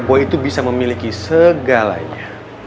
bahwa itu bisa memiliki segalanya